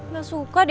gak suka deh